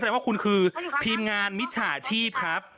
หมอดูด่ว่าคุณคือพิมงานมิจฉาชีพครับ